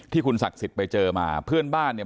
ที่คุณศักดิ์สิทธิ์ไปเจอมาเพื่อนบ้านเนี่ย